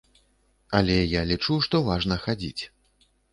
Але я лічу, што важна хадзіць.